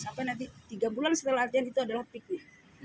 sampai nanti tiga bulan setelah latihan itu adalah piknik